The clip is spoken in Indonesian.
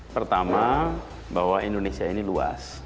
pertama bahwa indonesia ini luas